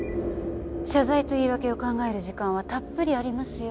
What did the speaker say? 謝罪と言い訳を考える時間はたっぷりありますよ。